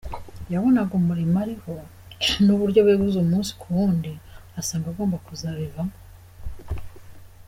Yabonaga umurimo ariho n’uburyo beguzwa umunsi ku wundi asanga agomba kuzabivamo.